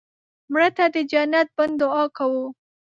مړه ته د جنت بڼ دعا کوو